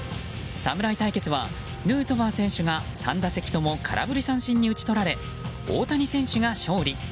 侍対決はヌートバー選手が３打席とも空振り三振に打ち取られ大谷選手が勝利。